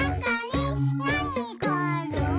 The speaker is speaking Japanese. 「なにがある？」